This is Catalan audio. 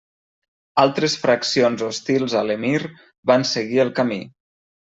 Altres fraccions hostils a l'emir, van seguir el camí.